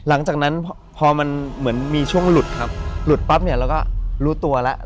หลังจากนั้นพอมันเหมือนมีช่วงหลุดครับหลุดปั๊บเนี่ยเราก็รู้ตัวแล้ว